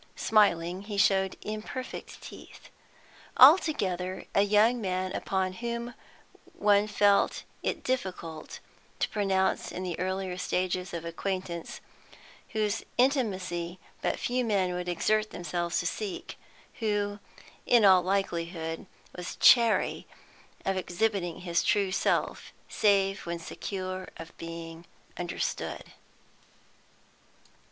Smiling, he showed imperfect teeth. Altogether, a young man upon whom one felt it difficult to pronounce in the earlier stages of acquaintance; whose intimacy but few men would exert themselves to seek; who in all likelihood was chary of exhibiting his true self save when secure of being understood.